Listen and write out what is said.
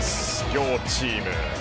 両チーム。